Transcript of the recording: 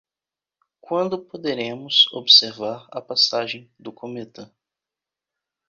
Quando poderemos observar a passagem do cometa?